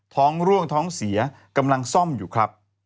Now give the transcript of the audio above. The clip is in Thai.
ร่วงท้องเสียกำลังซ่อมอยู่ครับ